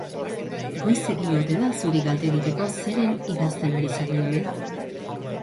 Goizegi ote da zuri galdegiteko zeren idazten ari zaren hemen?